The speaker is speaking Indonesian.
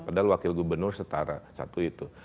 padahal wakil gubernur setara satu itu